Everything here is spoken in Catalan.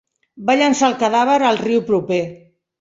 Va llançar el cadàver al riu proper.